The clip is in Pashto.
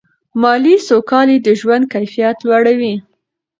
مالي سوکالي د ژوند کیفیت لوړوي.